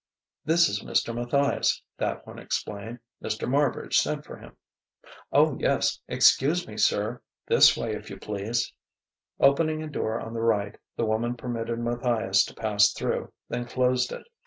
"This is Mr. Matthias," that one explained. "Mr. Marbridge sent for him." "Oh, yes excuse me, sir. This way, if you please." Opening a door on the right, the woman permitted Matthias to pass through, then closed it.